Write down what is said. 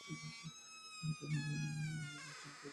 এমনিতেই অ্যাজনেক চুক্তিসহ আরও নানা কারণে দুই দেশের বন্ধন যথেষ্ট দৃঢ়।